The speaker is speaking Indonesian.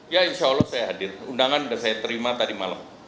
ya insya allah saya hadir undangan sudah saya terima tadi malam